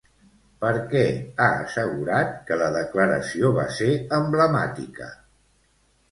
Per què ha assegurat que la declaració va ser emblemàtica?